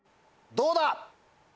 どうだ？